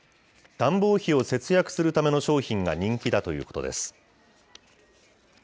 暖房費を節約するための商品が人気だということです。